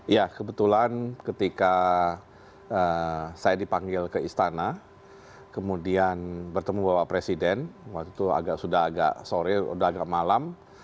ya kebetulan ketika saya dipanggil ke istana kemudian bertemu bapak presiden waktu itu sudah agak sore sudah agak malam